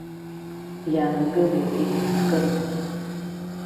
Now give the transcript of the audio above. Иаангылеит иӷьазкын.